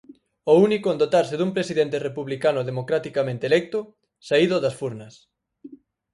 O único en dotarse dun presidente republicano democraticamente electo, saído das furnas.